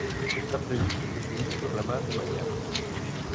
Está previsto que o xuízo remate mañá.